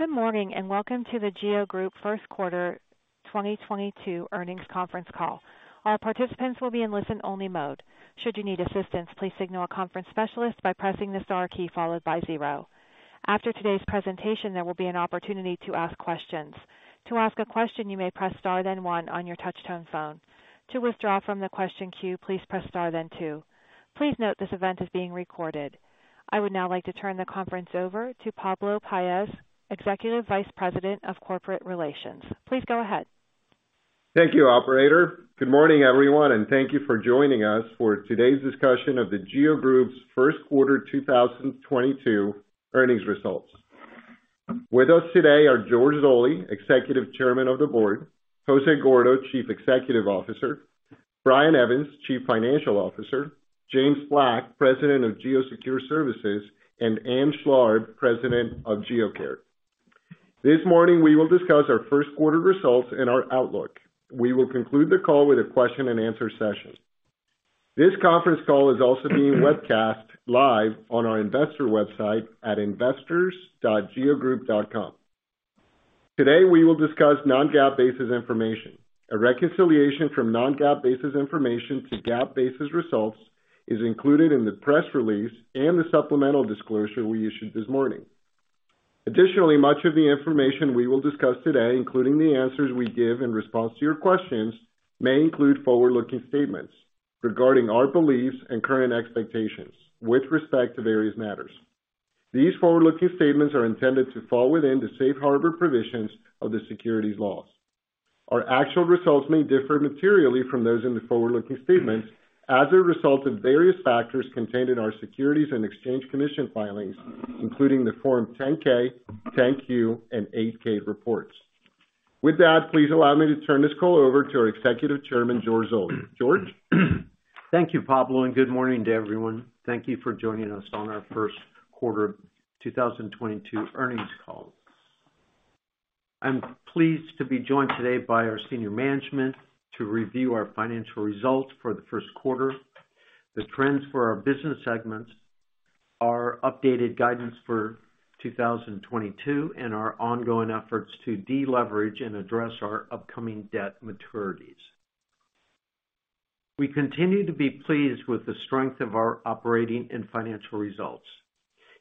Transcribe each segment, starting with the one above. Good morning, and welcome to The GEO Group first quarter 2022 earnings conference call. All participants will be in listen-only mode. Should you need assistance, please signal a conference specialist by pressing the star key followed by zero. After today's presentation, there will be an opportunity to ask questions. To ask a question, you may press star then one on your touch-tone phone. To withdraw from the question queue, please press star then two. Please note this event is being recorded. I would now like to turn the conference over to Pablo Paez, Executive Vice President of Corporate Relations. Please go ahead. Thank you, operator. Good morning, everyone, and thank you for joining us for today's discussion of The GEO Group's first quarter 2022 earnings results. With us today are George Zoley, Executive Chairman of the Board, Jose Gordo, Chief Executive Officer, Brian Evans, Chief Financial Officer, James H. Black, President of GEO Secure Services, and Ann Schlarb, President of GEO Care. This morning, we will discuss our first quarter results and our outlook. We will conclude the call with a question-and-answer session. This conference call is also being webcast live on our investor website at investors.geogroup.com. Today, we will discuss non-GAAP basis information. A reconciliation from non-GAAP basis information to GAAP basis results is included in the press release and the supplemental disclosure we issued this morning. A dditionally, much of the information we will discuss today, including the answers we give in response to your questions, may include forward-looking statements regarding our beliefs and current expectations with respect to various matters. These forward-looking statements are intended to fall within the safe harbor provisions of the securities laws. Our actual results may differ materially from those in the forward-looking statements as a result of various factors contained in our Securities and Exchange Commission filings, including the Form 10-K, 10-Q, and 8-K reports. With that, please allow me to turn this call over to our Executive Chairman, George Zoley. George? Thank you, Pablo, and good morning to everyone. Thank you for joining us on our first quarter 2022 earnings call. I'm pleased to be joined today by our senior management to review our financial results for the first quarter, the trends for our business segments, our updated guidance for 2022, and our ongoing efforts to de-leverage and address our upcoming debt maturities. We continue to be pleased with the strength of our operating and financial results.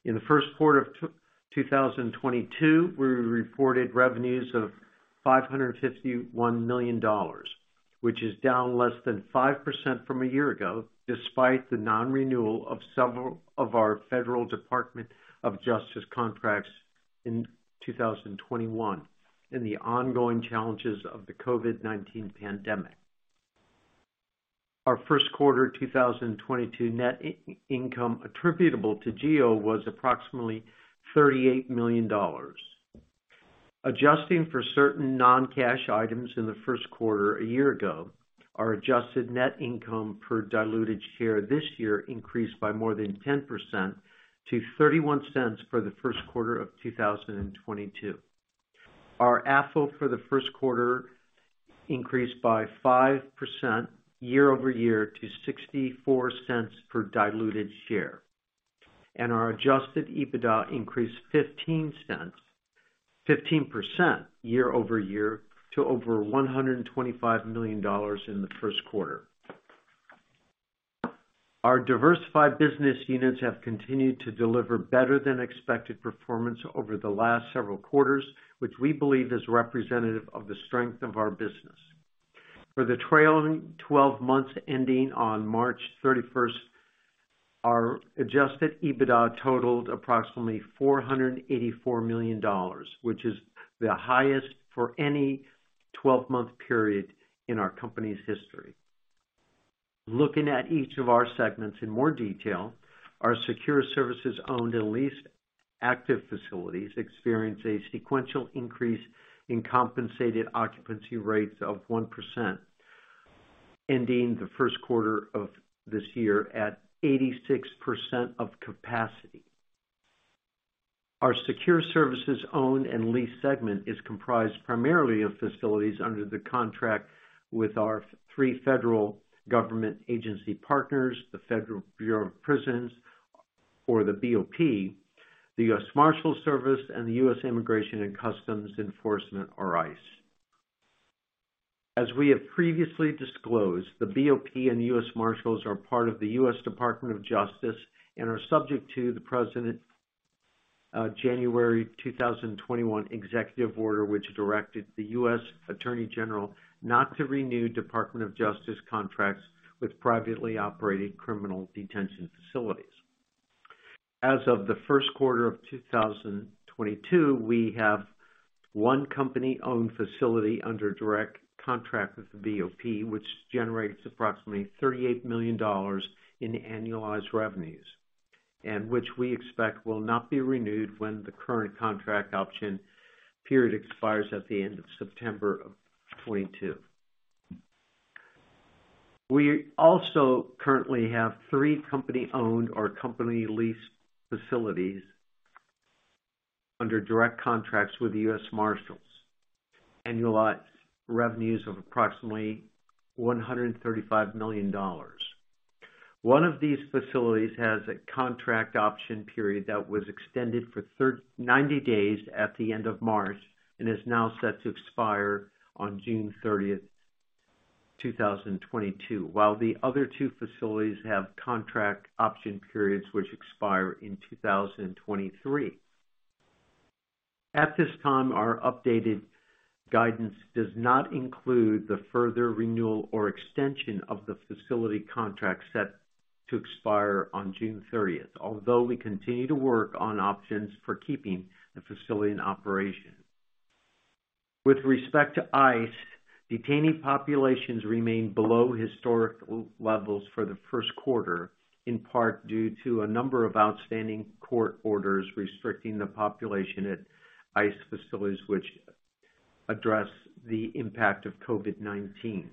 In the first quarter of 2022, we reported revenues of $551 million, which is down less than 5% from a year ago, despite the non-renewal of several of our federal Department of Justice contracts in 2021 and the ongoing challenges of the COVID-19 pandemic. Our first quarter 2022 net income attributable to GEO was approximately $38 million. Adjusting for certain non-cash items in the first quarter a year ago, our adjusted net income per diluted share this year increased by more than 10% to $0.31 for the first quarter of 2022. Our AFFO for the first quarter increased by 5% year-over-year to $0.64 per diluted share, and our adjusted EBITDA increased 15% year-over-year to over $125 million in the first quarter. Our diversified business units have continued to deliver better than expected performance over the last several quarters, which we believe is representative of the strength of our business. For the trailing twelve months ending on March 31, our adjusted EBITDA totaled approximately $484 million, which is the highest for any twelve-month period in our company's history. Looking at each of our segments in more detail, our Secure Services owned and leased active facilities experienced a sequential increase in compensated occupancy rates of 1%, ending the first quarter of this year at 86% of capacity. Our Secure Services owned and leased segment is comprised primarily of facilities under the contract with our three federal government agency partners, the Federal Bureau of Prisons or the BOP, the U.S. Marshals Service, and the U.S. Immigration and Customs Enforcement or ICE. As we have previously disclosed, the BOP and U.S. Marshals are part of the U.S. Department of Justice and are subject to the President's January 2021 executive order, which directed the U.S. Attorney General not to renew Department of Justice contracts with privately operating criminal detention facilities. As of the first quarter of 2022, we have one company-owned facility under direct contract with the BOP, which generates approximately $38 million in annualized revenues, and which we expect will not be renewed when the current contract option period expires at the end of September 2022. We also currently have three company-owned or company leased facilities under direct contracts with the U.S. Marshals, annualized revenues of approximately $135 million. One of these facilities has a contract option period that was extended for thirty days at the end of March, and is now set to expire on June 30, 2022, while the other two facilities have contract option periods which expire in 2023. At this time, our updated guidance does not include the further renewal or extension of the facility contracts set to expire on June 30th, although we continue to work on options for keeping the facility in operation. With respect to ICE, detainee populations remained below historical levels for the first quarter, in part due to a number of outstanding court orders restricting the population at ICE facilities which address the impact of COVID-19.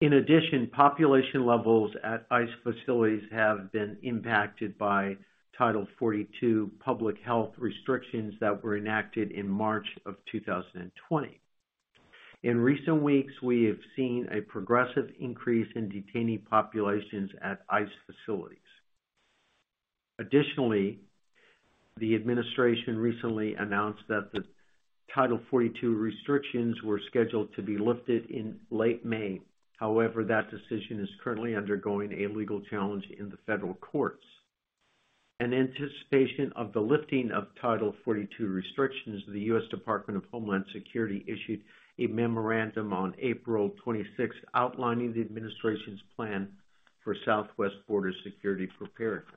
In addition, population levels at ICE facilities have been impacted by Title 42 public health restrictions that were enacted in March of 2020. In recent weeks, we have seen a progressive increase in detainee populations at ICE facilities. Additionally, the administration recently announced that the Title 42 restrictions were scheduled to be lifted in late May. However, that decision is currently undergoing a legal challenge in the federal courts. In anticipation of the lifting of Title 42 restrictions, the U.S. Department of Homeland Security issued a memorandum on April twenty-sixth outlining the administration's plan for southwest border security preparedness.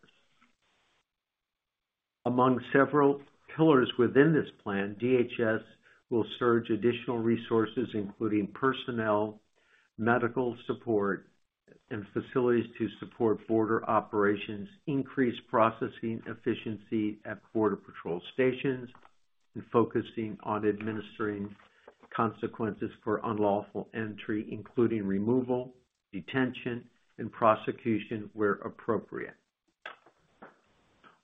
Among several pillars within this plan, DHS will surge additional resources, including personnel, medical support, and facilities to support border operations, increase processing efficiency at border patrol stations, and focusing on administering consequences for unlawful entry, including removal, detention, and prosecution where appropriate.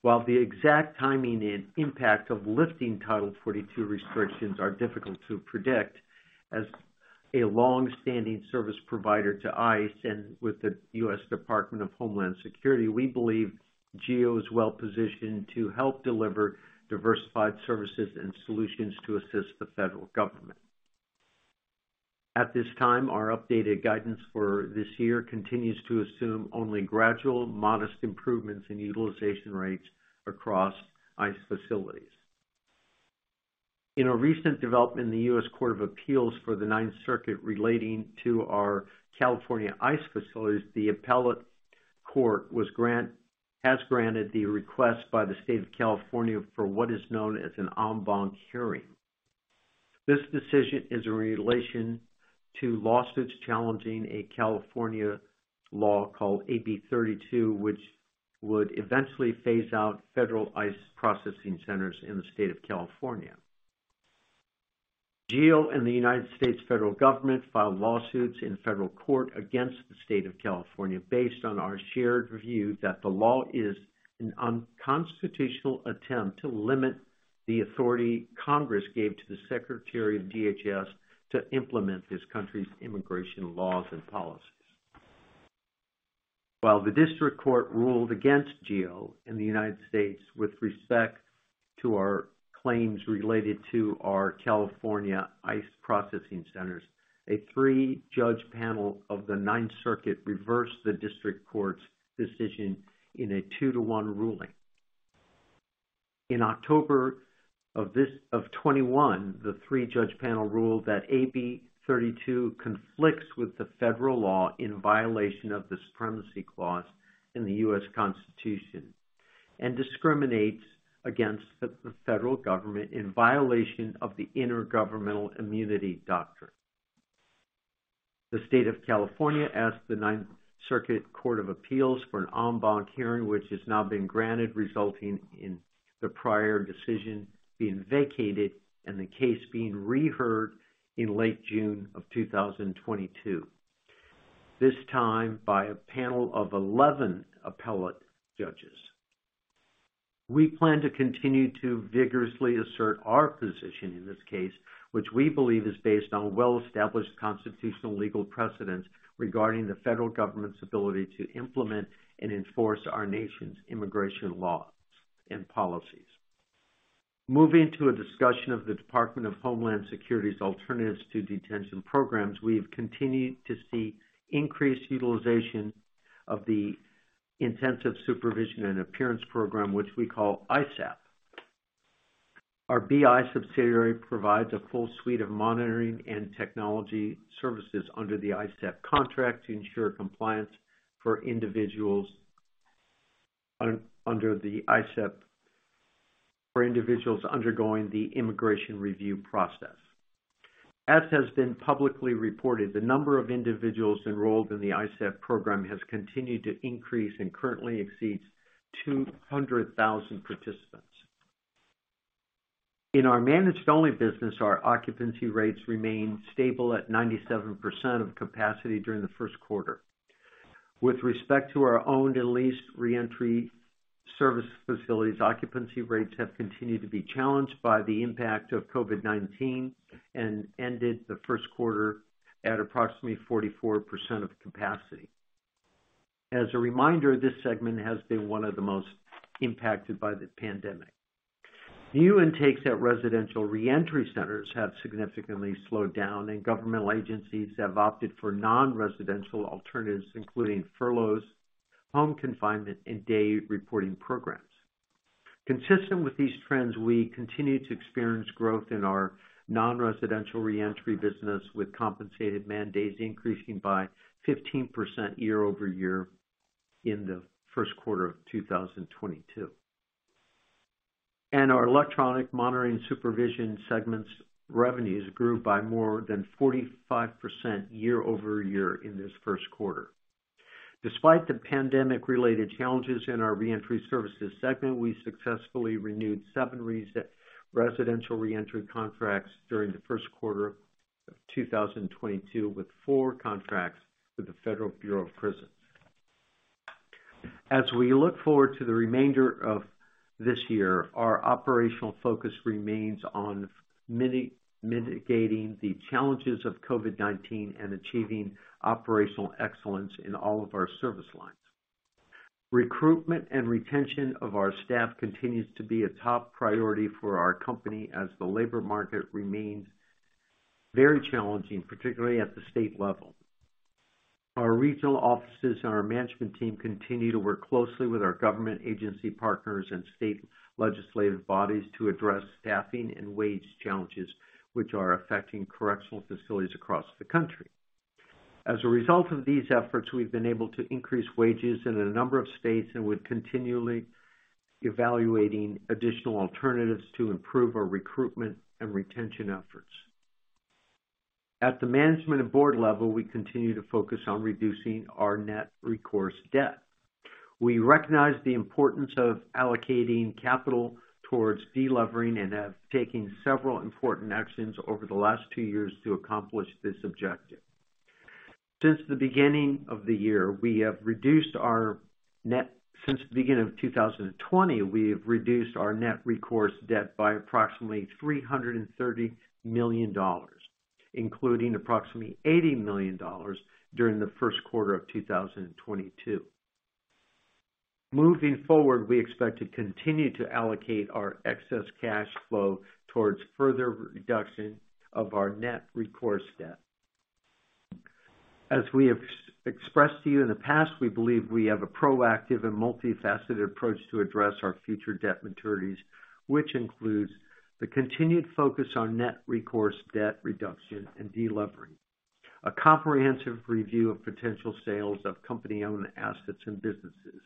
While the exact timing and impact of lifting Title 42 restrictions are difficult to predict, as a long-standing service provider to ICE and with the U.S. Department of Homeland Security, we believe GEO is well-positioned to help deliver diversified services and solutions to assist the federal government. At this time, our updated guidance for this year continues to assume only gradual, modest improvements in utilization rates across ICE facilities. In a recent development in the U.S. Court of Appeals for the Ninth Circuit relating to our California ICE facilities, the appellate court has granted the request by the state of California for what is known as an en banc hearing. This decision is in relation to lawsuits challenging a California law called AB-32, which would eventually phase out federal ICE processing centers in the state of California. GEO and the United States federal government filed lawsuits in federal court against the state of California based on our shared view that the law is an unconstitutional attempt to limit the authority Congress gave to the Secretary of DHS to implement this country's immigration laws and policies. While the district court ruled against GEO in the United States with respect to our claims related to our California ICE processing centers, a three-judge panel of the Ninth Circuit reversed the district court's decision in a two-to-one ruling. In October of '21, the three-judge panel ruled that AB-32 conflicts with the federal law in violation of the Supremacy Clause in the U.S. Constitution, and discriminates against the federal government in violation of the Intergovernmental Immunity Doctrine. The state of California asked the Ninth Circuit Court of Appeals for an en banc hearing, which has now been granted, resulting in the prior decision being vacated and the case being reheard in late June of 2022, this time by a panel of 11 appellate judges. We plan to continue to vigorously assert our position in this case, which we believe is based on well-established constitutional legal precedents regarding the federal government's ability to implement and enforce our nation's immigration laws and policies. Moving to a discussion of the Department of Homeland Security's alternatives to detention programs, we have continued to see increased utilization of the Intensive Supervision and Appearance Program, which we call ISAP. Our BI subsidiary provides a full suite of monitoring and technology services under the ISAP contract to ensure compliance for individuals undergoing the immigration review process. As has been publicly reported, the number of individuals enrolled in the ISAP program has continued to increase and currently exceeds 200,000 participants. In our managed only business, our occupancy rates remained stable at 97% of capacity during the first quarter. With respect to our owned and leased reentry service facilities occupancy rates have continued to be challenged by the impact of COVID-19 and ended the first quarter at approximately 44% of capacity. As a reminder, this segment has been one of the most impacted by the pandemic. New intakes at residential reentry centers have significantly slowed down, and governmental agencies have opted for non-residential alternatives, including furloughs, home confinement, and day reporting programs. Consistent with these trends, we continue to experience growth in our non-residential reentry business, with compensated man days increasing by 15% year-over-year in the first quarter of 2022. Our electronic monitoring supervision segments revenues grew by more than 45% year-over-year in this first quarter. Despite the pandemic-related challenges in our reentry services segment, we successfully renewed seven RRC residential reentry contracts during the first quarter of 2022, with 4 contracts with the Federal Bureau of Prisons. As we look forward to the remainder of this year, our operational focus remains on mitigating the challenges of COVID-19 and achieving operational excellence in all of our service lines. Recruitment and retention of our staff continues to be a top priority for our company as the labor market remains very challenging, particularly at the state level. Our regional offices and our management team continue to work closely with our government agency partners and state legislative bodies to address staffing and wage challenges which are affecting correctional facilities across the country. As a result of these efforts, we've been able to increase wages in a number of states and we're continually evaluating additional alternatives to improve our recruitment and retention efforts. At the management and board level, we continue to focus on reducing our net recourse debt. We recognize the importance of allocating capital towards delevering and have taken several important actions over the last two years to accomplish this objective. Since the beginning of 2020, we have reduced our net recourse debt by approximately $330 million, including approximately $80 million during the first quarter of 2022. Moving forward, we expect to continue to allocate our excess cash flow towards further reduction of our net recourse debt. As we have expressed to you in the past, we believe we have a proactive and multifaceted approach to address our future debt maturities, which includes the continued focus on net recourse debt reduction and deleveraging. A comprehensive review of potential sales of company-owned assets and businesses,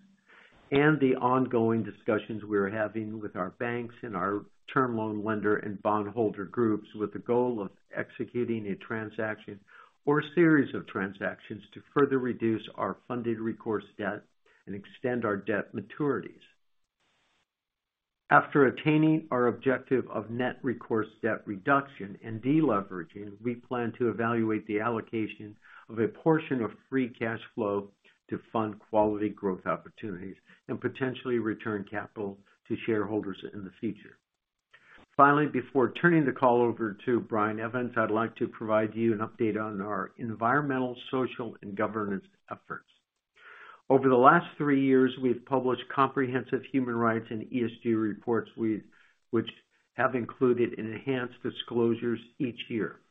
and the ongoing discussions we are having with our banks and our term loan lender and bondholder groups with the goal of executing a transaction or series of transactions to further reduce our funded recourse debt and extend our debt maturities. After attaining our objective of net recourse debt reduction and deleveraging, we plan to evaluate the allocation of a portion of free cash flow to fund quality growth opportunities and potentially return capital to shareholders in the future. Finally, before turning the call over to Brian Evans, I'd like to provide you an update on our environmental, social, and governance efforts. Over the last three years, we've published comprehensive human rights and ESG reports which have included enhanced disclosures each year.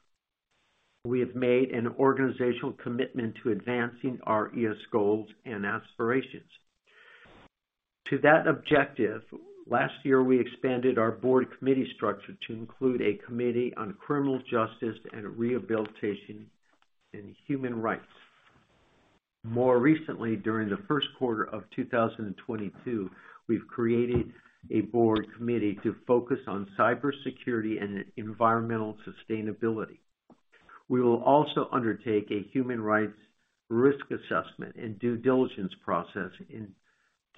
We have made an organizational commitment to advancing our ESG goals and aspirations. To that objective, last year, we expanded our board committee structure to include a committee on criminal justice and rehabilitation in human rights. More recently, during the first quarter of 2022, we've created a board committee to focus on cybersecurity and environmental sustainability. We will also undertake a human rights risk assessment and due diligence process in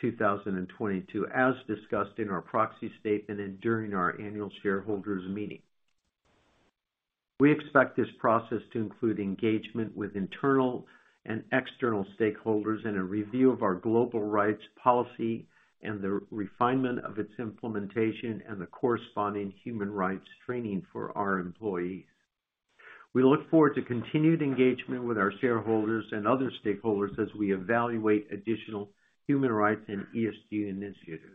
2022, as discussed in our proxy statement and during our annual shareholders meeting. We expect this process to include engagement with internal and external stakeholders in a review of our global rights policy and the refinement of its implementation and the corresponding human rights training for our employees. We look forward to continued engagement with our shareholders and other stakeholders as we evaluate additional human rights and ESG initiatives.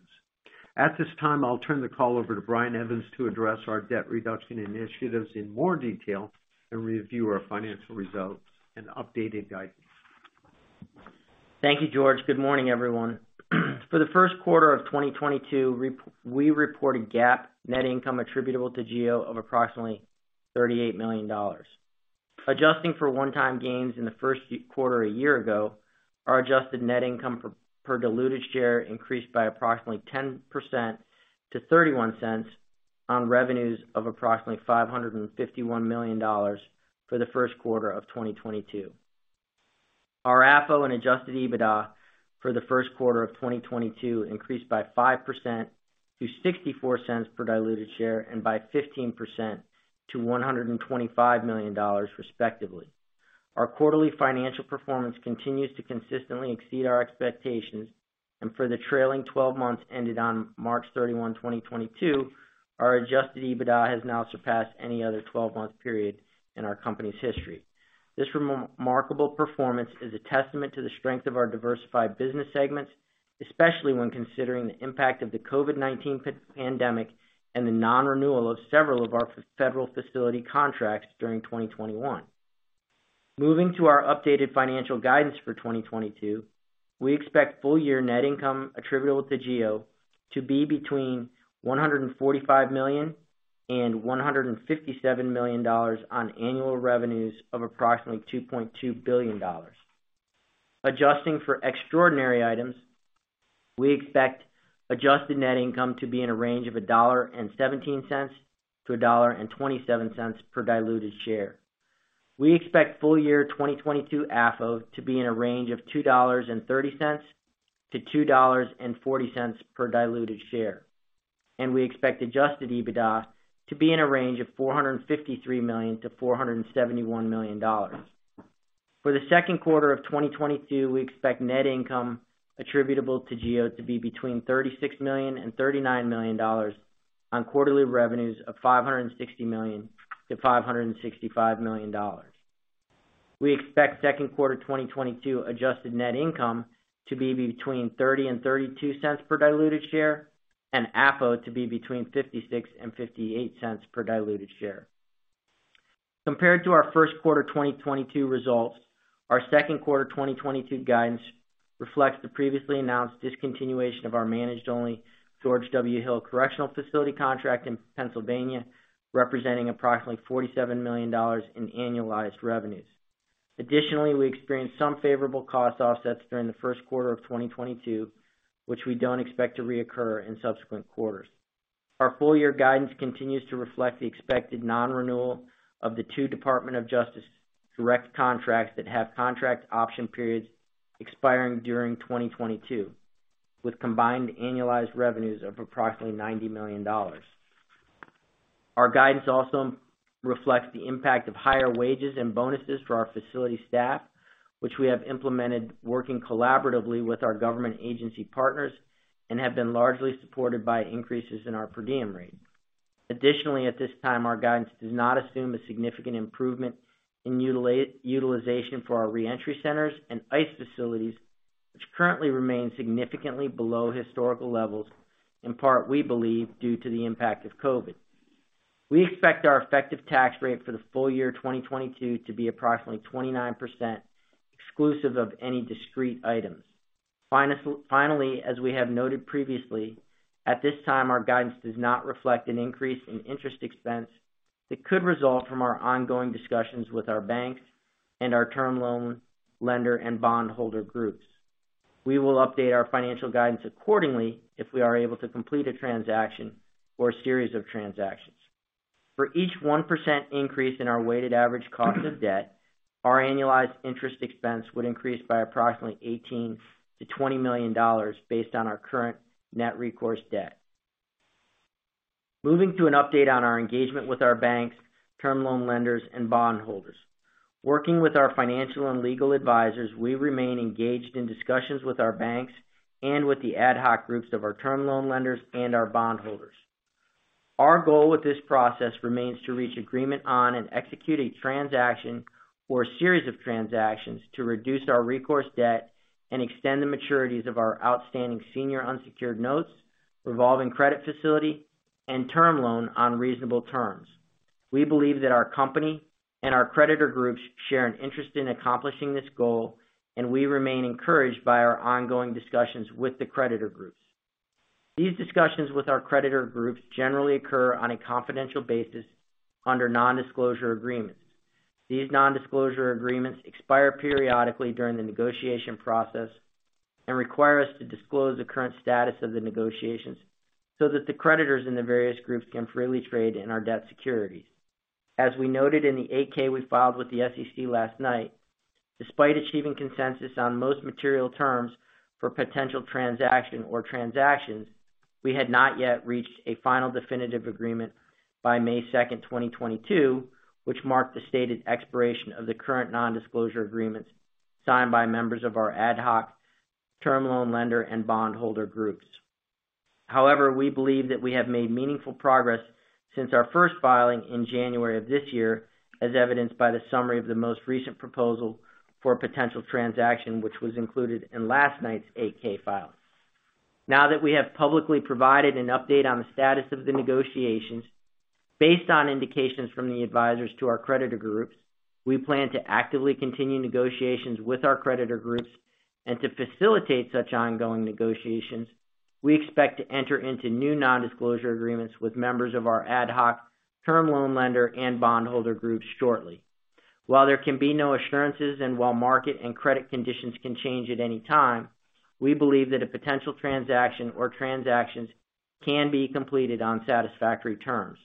At this time, I'll turn the call over to Brian Evans to address our debt reduction initiatives in more detail and review our financial results and updated guidance. Thank you, George. Good morning, everyone. For the first quarter of 2022, we reported GAAP net income attributable to GEO of approximately $38 million. Adjusting for one-time gains in the first quarter a year ago, our adjusted net income per diluted share increased by approximately 10% to $0.31 on revenues of approximately $551 million for the first quarter of 2022. Our AFFO and adjusted EBITDA for the first quarter of 2022 increased by 5% to $0.64 per diluted share and by 15% to $125 million, respectively. Our quarterly financial performance continues to consistently exceed our expectations, and for the trailing 12 months ended on March 31, 2022, our adjusted EBITDA has now surpassed any other 12-month period in our company's history. This remarkable performance is a testament to the strength of our diversified business segments, especially when considering the impact of the COVID-19 pandemic and the non-renewal of several of our federal facility contracts during 2021. Moving to our updated financial guidance for 2022, we expect full year net income attributable to GEO to be between $145-$157 million on annual revenues of approximately $2.2 billion. Adjusting for extraordinary items, we expect adjusted net income to be in a range of $1.17-$1.27 per diluted share. We expect full year 2022 AFFO to be in a range of $2.30-$2.40 per diluted share, and we expect adjusted EBITDA to be in a range of $453-$471 million. For the second quarter of 2022, we expect net income attributable to GEO to be between $36 million-$39 million on quarterly revenues of $560 million-$565 million. We expect second quarter 2022 adjusted net income to be between 30-32 cents per diluted share, and AFFO to be between 56-58 cents per diluted share. Compared to our first quarter 2022 results, our second quarter 2022 guidance reflects the previously announced discontinuation of our managed only George W. Hill Correctional Facility contract in Pennsylvania, representing approximately $47 million in annualized revenues. Additionally, we experienced some favorable cost offsets during the first quarter of 2022, which we don't expect to reoccur in subsequent quarters. Our full year guidance continues to reflect the expected non-renewal of the two Department of Justice direct contracts that have contract option periods expiring during 2022, with combined annualized revenues of approximately $90 million. Our guidance also reflects the impact of higher wages and bonuses for our facility staff, which we have implemented working collaboratively with our government agency partners and have been largely supported by increases in our per diem rate. Additionally, at this time, our guidance does not assume a significant improvement in utilization for our reentry centers and ICE facilities, which currently remain significantly below historical levels, in part, we believe, due to the impact of COVID. We expect our effective tax rate for the full year 2022 to be approximately 29%, exclusive of any discrete items. Finally, as we have noted previously, at this time, our guidance does not reflect an increase in interest expense that could result from our ongoing discussions with our banks and our term loan lender and bondholder groups. We will update our financial guidance accordingly if we are able to complete a transaction or a series of transactions. For each 1% increase in our weighted average cost of debt, our annualized interest expense would increase by approximately $18-$20 million based on our current net recourse debt. Moving to an update on our engagement with our banks, term loan lenders, and bondholders. Working with our financial and legal advisors, we remain engaged in discussions with our banks and with the ad hoc groups of our term loan lenders and our bondholders. Our goal with this process remains to reach agreement on and execute a transaction or a series of transactions to reduce our recourse debt and extend the maturities of our outstanding senior unsecured notes, revolving credit facility, and term loan on reasonable terms. We believe that our company and our creditor groups share an interest in accomplishing this goal, and we remain encouraged by our ongoing discussions with the creditor groups. These discussions with our creditor groups generally occur on a confidential basis under non-disclosure agreements. These non-disclosure agreements expire periodically during the negotiation process and require us to disclose the current status of the negotiations so that the creditors in the various groups can freely trade in our debt securities. As we noted in the 8-K we filed with the SEC last night, despite achieving consensus on most material terms for potential transaction or transactions, we had not yet reached a final definitive agreement by May 2, 2022, which marked the stated expiration of the current non-disclosure agreements signed by members of our ad hoc term loan lender and bondholder groups. However, we believe that we have made meaningful progress since our first filing in January of this year, as evidenced by the summary of the most recent proposal for a potential transaction, which was included in last night's 8-K filing. Now that we have publicly provided an update on the status of the negotiations, based on indications from the advisors to our creditor groups, we plan to actively continue negotiations with our creditor groups. To facilitate such ongoing negotiations, we expect to enter into new non-disclosure agreements with members of our ad hoc term loan lender and bondholder groups shortly. While there can be no assurances and while market and credit conditions can change at any time, we believe that a potential transaction or transactions can be completed on satisfactory terms.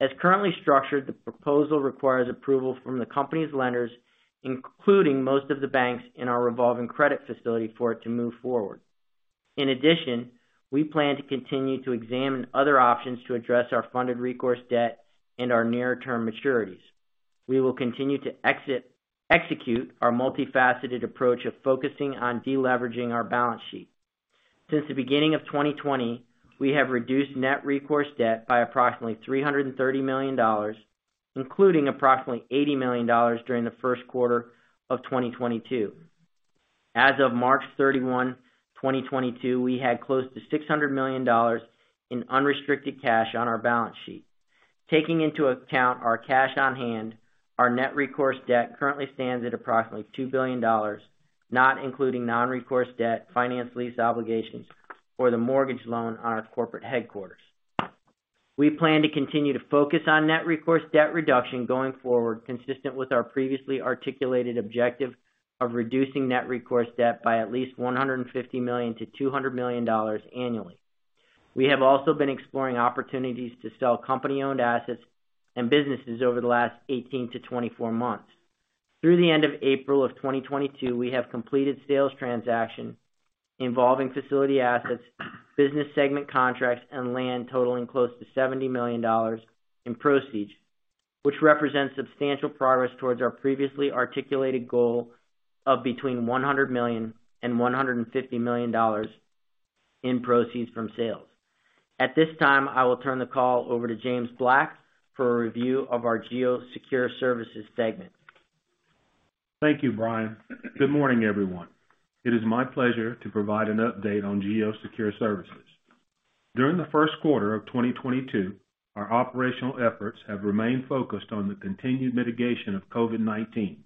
As currently structured, the proposal requires approval from the company's lenders, including most of the banks in our revolving credit facility for it to move forward. In addition, we plan to continue to examine other options to address our funded recourse debt and our near-term maturities. We will continue to execute our multifaceted approach of focusing on de-leveraging our balance sheet. Since the beginning of 2020, we have reduced net recourse debt by approximately $330 million, including approximately $80 million during the first quarter of 2022. As of March 31, 2022, we had close to $600 million in unrestricted cash on our balance sheet. Taking into account our cash on hand, our net recourse debt currently stands at approximately $2 billion, not including non-recourse debt, finance lease obligations, or the mortgage loan on our corporate headquarters. We plan to continue to focus on net recourse debt reduction going forward, consistent with our previously articulated objective of reducing net recourse debt by at least $150 million-$200 million annually. We have also been exploring opportunities to sell company-owned assets and businesses over the last 18-24 months. Through the end of April 2022, we have completed sales transaction involving facility assets, business segment contracts, and land totaling close to $70 million in proceeds, which represents substantial progress towards our previously articulated goal of between $100 million and $150 million in proceeds from sales. At this time, I will turn the call over to James Black for a review of our GEO Secure Services segment. Thank you, Brian. Good morning, everyone. It is my pleasure to provide an update on GEO Secure Services. During the first quarter of 2022, our operational efforts have remained focused on the continued mitigation of COVID-19.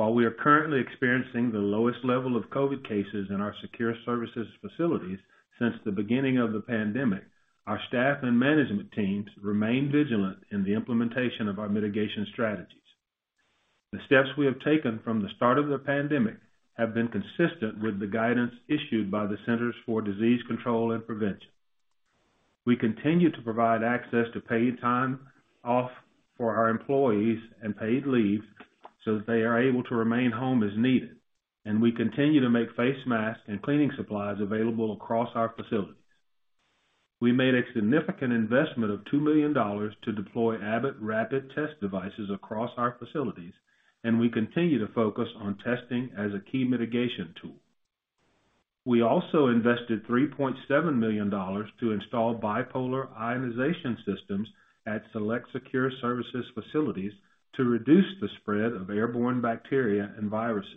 While we are currently experiencing the lowest level of COVID cases in our secure services facilities since the beginning of the pandemic, our staff and management teams remain vigilant in the implementation of our mitigation strategies. The steps we have taken from the start of the pandemic have been consistent with the guidance issued by the Centers for Disease Control and Prevention. We continue to provide access to paid time off for our employees and paid leave so that they are able to remain home as needed, and we continue to make face masks and cleaning supplies available across our facilities. We made a significant investment of $2 million to deploy Abbott rapid test devices across our facilities, and we continue to focus on testing as a key mitigation tool. We also invested $3.7 million to install bipolar ionization systems at select secure services facilities to reduce the spread of airborne bacteria and viruses.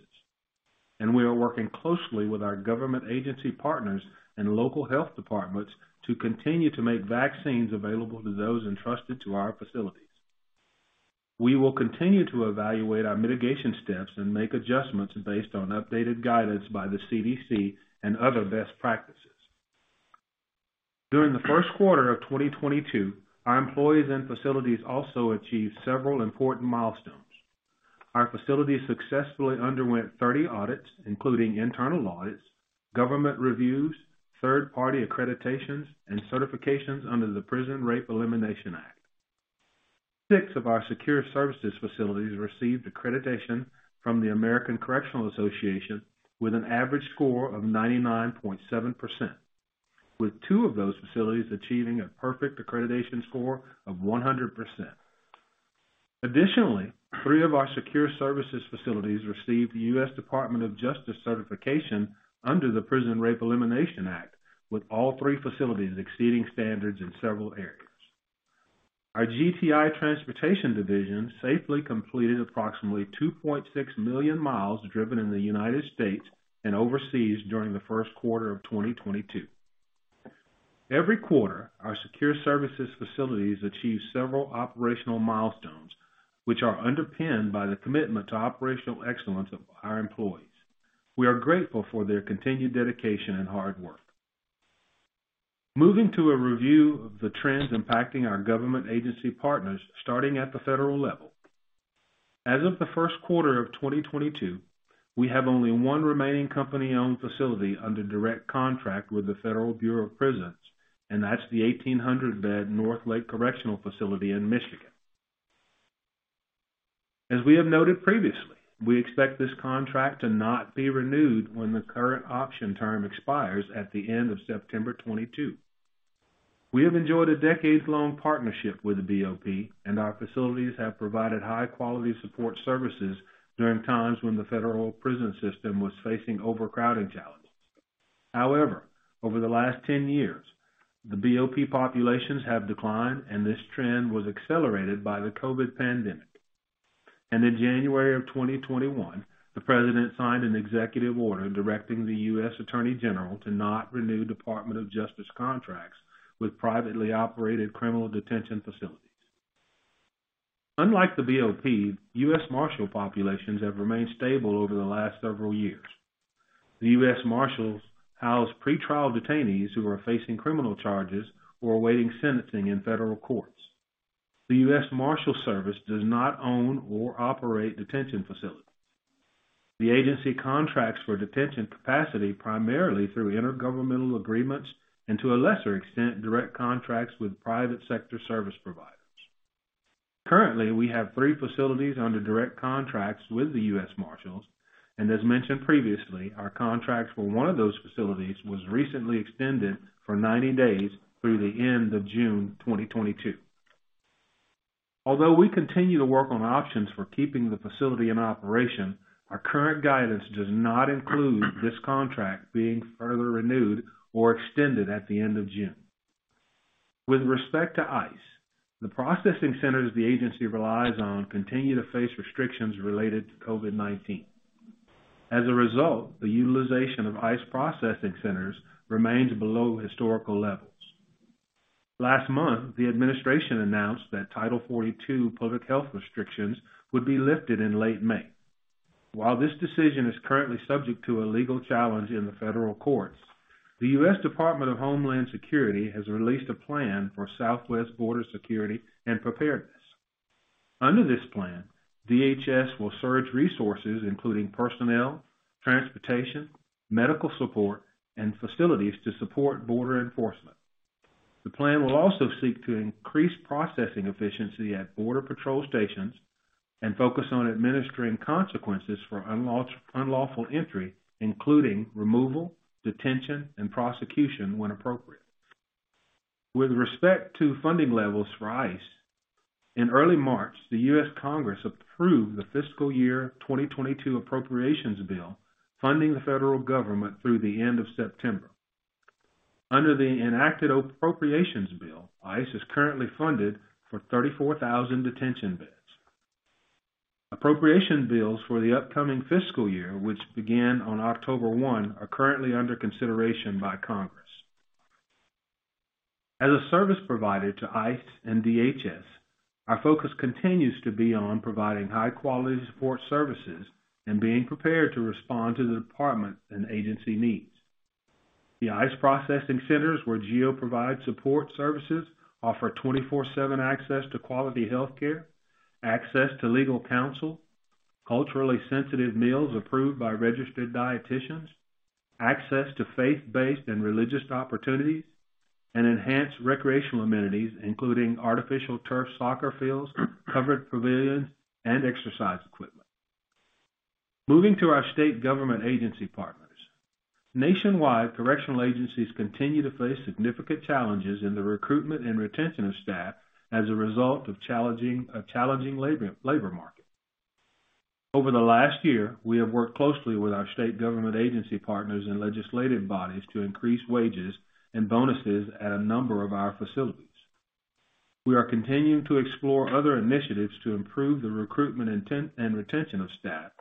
We are working closely with our government agency partners and local health departments to continue to make vaccines available to those entrusted to our facilities. We will continue to evaluate our mitigation steps and make adjustments based on updated guidance by the CDC and other best practices. During the first quarter of 2022, our employees and facilities also achieved several important milestones. Our facilities successfully underwent 30 audits, including internal audits, government reviews, third-party accreditations, and certifications under the Prison Rape Elimination Act. Six of our Secure Services facilities received accreditation from the American Correctional Association with an average score of 99.7%, with two of those facilities achieving a perfect accreditation score of 100%. Additionally, three of our Secure Services facilities received the U.S. Department of Justice certification under the Prison Rape Elimination Act, with all three facilities exceeding standards in several areas. Our GTI transportation division safely completed approximately 2.6 million miles driven in the United States and overseas during the first quarter of 2022. Every quarter, our Secure Services facilities achieve several operational milestones which are underpinned by the commitment to operational excellence of our employees. We are grateful for their continued dedication and hard work. Moving to a review of the trends impacting our government agency partners, starting at the federal level. As of the first quarter of 2022, we have only one remaining company-owned facility under direct contract with the Federal Bureau of Prisons, and that's the 1,800-bed North Lake Correctional Facility in Michigan. As we have noted previously, we expect this contract to not be renewed when the current option term expires at the end of September 2022. We have enjoyed a decades-long partnership with the BOP, and our facilities have provided high-quality support services during times when the federal prison system was facing overcrowding challenges. However, over the last 10 years, the BOP populations have declined, and this trend was accelerated by the COVID pandemic. In January of 2021, the president signed an executive order directing the U.S. Attorney General to not renew Department of Justice contracts with privately operated criminal detention facilities. Unlike the BOP, U.S. Marshals populations have remained stable over the last several years. The U.S. Marshals house pretrial detainees who are facing criminal charges or awaiting sentencing in federal courts. The U.S. Marshals Service does not own or operate detention facilities. The agency contracts for detention capacity primarily through intergovernmental agreements and, to a lesser extent, direct contracts with private sector service providers. Currently, we have three facilities under direct contracts with the U.S. Marshals, and as mentioned previously, our contracts for one of those facilities was recently extended for 90 days through the end of June 2022. Although we continue to work on options for keeping the facility in operation, our current guidance does not include this contract being further renewed or extended at the end of June. With respect to ICE, the processing centers the agency relies on continue to face restrictions related to COVID-19. As a result, the utilization of ICE processing centers remains below historical levels. Last month, the administration announced that Title 42 public health restrictions would be lifted in late May. While this decision is currently subject to a legal challenge in the federal courts, the U.S. Department of Homeland Security has released a plan for Southwest border security and preparedness. Under this plan, DHS will surge resources, including personnel, transportation, medical support, and facilities to support border enforcement. The plan will also seek to increase processing efficiency at border patrol stations and focus on administering consequences for unlawful entry, including removal, detention, and prosecution when appropriate. With respect to funding levels for ICE, in early March, the U.S. Congress approved the fiscal year 2022 appropriations bill, funding the federal government through the end of September. Under the enacted appropriations bill, ICE is currently funded for 34,000 detention beds. Appropriation bills for the upcoming fiscal year, which began on October 1, are currently under consideration by Congress. As a service provider to ICE and DHS, our focus continues to be on providing high-quality support services and being prepared to respond to the department and agency needs. The ICE processing centers where GEO provides support services offer 24/7 access to quality healthcare, access to legal counsel, culturally sensitive meals approved by registered dieticians, access to faith-based and religious opportunities, and enhanced recreational amenities, including artificial turf soccer fields, covered pavilions, and exercise equipment. Moving to our state government agency partners. Nationwide, correctional agencies continue to face significant challenges in the recruitment and retention of staff as a result of a challenging labor market. Over the last year, we have worked closely with our state government agency partners and legislative bodies to increase wages and bonuses at a number of our facilities. We are continuing to explore other initiatives to improve the recruitment and retention of staff,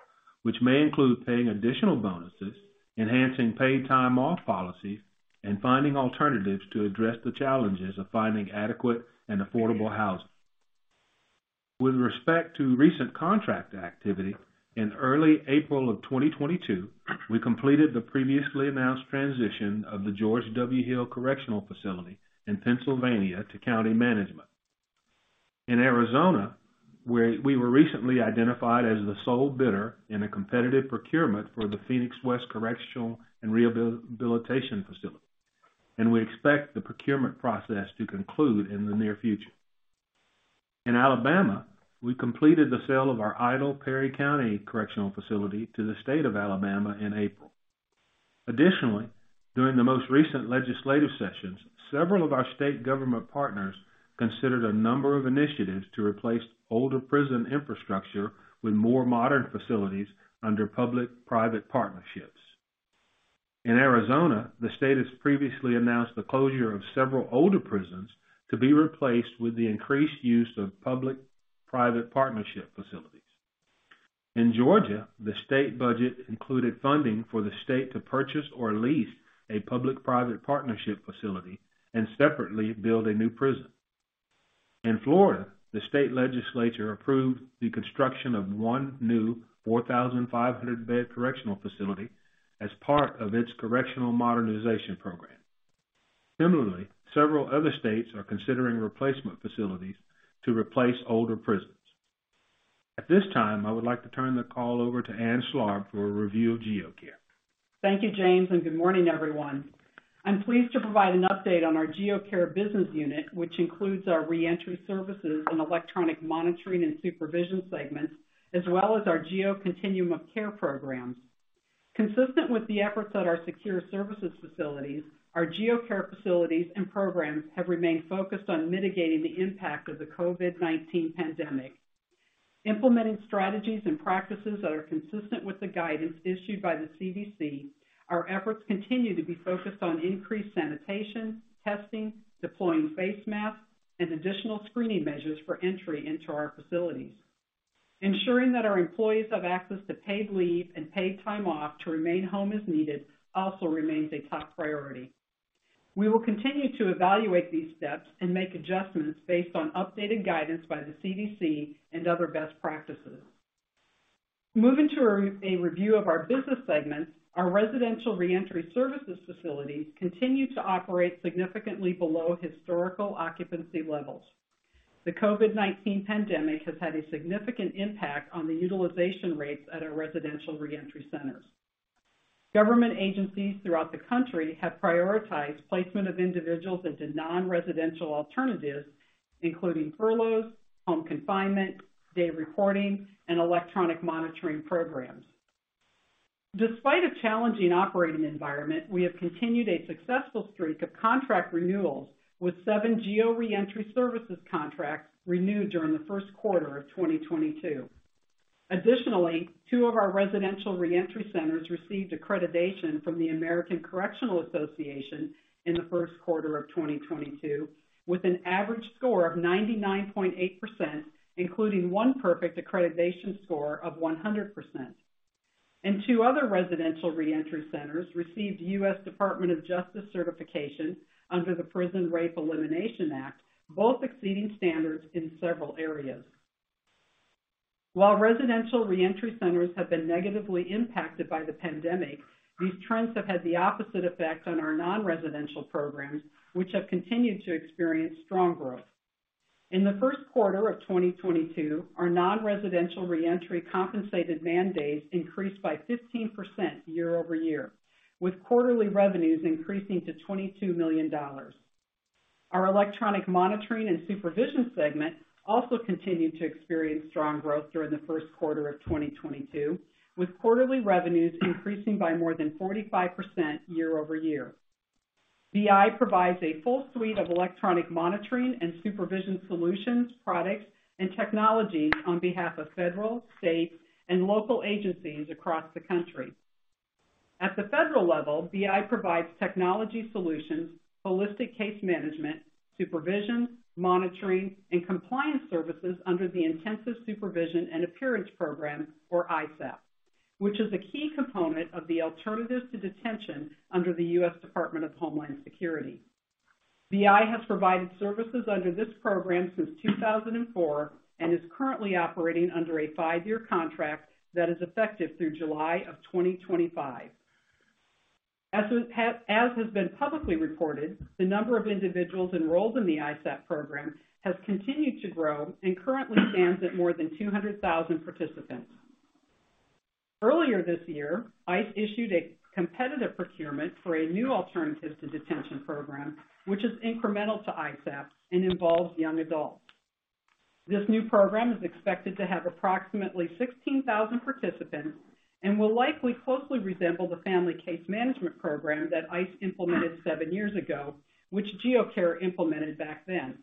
which may include paying additional bonuses, enhancing paid time off policies, and finding alternatives to address the challenges of finding adequate and affordable housing. With respect to recent contract activity, in early April of 2022, we completed the previously announced transition of the George W. Hill Correctional Facility in Pennsylvania to county management. In Arizona, we were recently identified as the sole bidder in a competitive procurement for the Phoenix West Correctional and Rehabilitation Facility, and we expect the procurement process to conclude in the near future. In Alabama, we completed the sale of our idle Perry County Correctional Facility to the State of Alabama in April. Additionally, during the most recent legislative sessions, several of our state government partners considered a number of initiatives to replace older prison infrastructure with more modern facilities under public-private partnerships. In Arizona, the state has previously announced the closure of several older prisons to be replaced with the increased use of public-private partnership facilities. In Georgia, the state budget included funding for the state to purchase or lease a public-private partnership facility and separately build a new prison. In Florida, the state legislature approved the construction of one new 4,500-bed correctional facility as part of its correctional modernization program. Similarly, several other states are considering replacement facilities to replace older prisons. At this time, I would like to turn the call over to Ann Schlarb for a review of GEO Care. Thank you, James, and good morning, everyone. I'm pleased to provide an update on our GEO Care business unit, which includes our reentry services and electronic monitoring and supervision segments, as well as our GEO Continuum of Care programs. Consistent with the efforts at our secure services facilities, our GEO Care facilities and programs have remained focused on mitigating the impact of the COVID-19 pandemic. Implementing strategies and practices that are consistent with the guidance issued by the CDC, our efforts continue to be focused on increased sanitation, testing, deploying face masks, and additional screening measures for entry into our facilities. Ensuring that our employees have access to paid leave and paid time off to remain home as needed also remains a top priority. We will continue to evaluate these steps and make adjustments based on updated guidance by the CDC and other best practices. Moving to a review of our business segments, our residential reentry services facilities continue to operate significantly below historical occupancy levels. The COVID-19 pandemic has had a significant impact on the utilization rates at our residential reentry centers. Government agencies throughout the country have prioritized placement of individuals into non-residential alternatives, including furloughs, home confinement, day reporting, and electronic monitoring programs. Despite a challenging operating environment, we have continued a successful streak of contract renewals, with seven GEO Reentry services contracts renewed during the first quarter of 2022. Additionally, two of our residential reentry centers received accreditation from the American Correctional Association in the first quarter of 2022, with an average score of 99.8%, including one perfect accreditation score of 100%. Two other residential reentry centers received U.S. Department of Justice certification under the Prison Rape Elimination Act, both exceeding standards in several areas. While residential reentry centers have been negatively impacted by the pandemic, these trends have had the opposite effect on our non-residential programs, which have continued to experience strong growth. In the first quarter of 2022, our non-residential reentry case management and mandates increased by 15% year-over-year, with quarterly revenues increasing to $22 million. Our electronic monitoring and supervision segment also continued to experience strong growth during the first quarter of 2022, with quarterly revenues increasing by more than 45% year-over-year. BI provides a full suite of electronic monitoring and supervision solutions, products, and technologies on behalf of federal, state, and local agencies across the country. At the federal level, BI provides technology solutions, holistic case management, supervision, monitoring, and compliance services under the Intensive Supervision and Appearance Program, or ISAP, which is a key component of the Alternatives to Detention under the U.S. Department of Homeland Security. BI has provided services under this program since 2004 and is currently operating under a five-year contract that is effective through July of 2025. As has been publicly reported, the number of individuals enrolled in the ISAP program has continued to grow and currently stands at more than 200,000 participants. Earlier this year, ICE issued a competitive procurement for a new Alternatives to Detention program, which is incremental to ISAP and involves young adults. This new program is expected to have approximately 16,000 participants and will likely closely resemble the Family Case Management Program that ICE implemented seven years ago, which GEO Care implemented back then.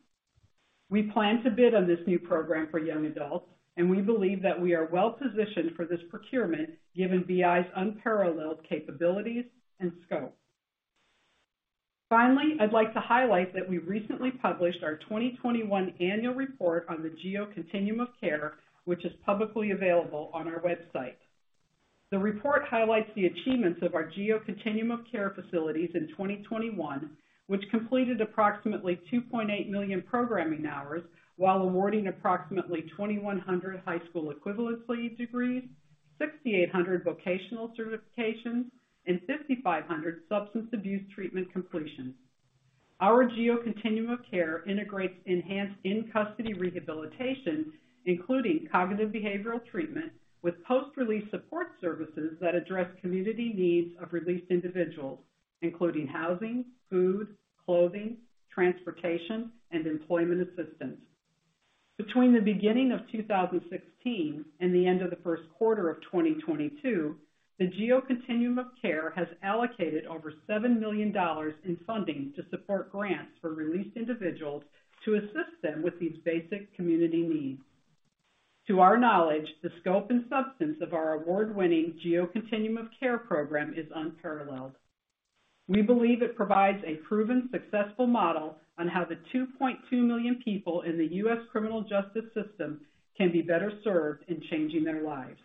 We plan to bid on this new program for young adults, and we believe that we are well positioned for this procurement given BI's unparalleled capabilities and scope. Finally, I'd like to highlight that we recently published our 2021 annual report on the GEO Continuum of Care, which is publicly available on our website. The report highlights the achievements of our GEO Continuum of Care facilities in 2021, which completed approximately 2.8 million programming hours while awarding approximately 2,100 high school equivalency degrees, 6,800 vocational certifications, and 5,500 substance abuse treatment completions. Our GEO Continuum of Care integrates enhanced in-custody rehabilitation, including cognitive behavioral treatment, with post-release support services that address community needs of released individuals, including housing, food, clothing, transportation, and employment assistance. Between the beginning of 2016 and the end of the first quarter of 2022, the GEO Continuum of Care has allocated over $7 million in funding to support grants for released individuals to assist them with these basic community needs. To our knowledge, the scope and substance of our award-winning GEO Continuum of Care program is unparalleled. We believe it provides a proven successful model on how the 2.2 million people in the U.S. criminal justice system can be better served in changing their lives.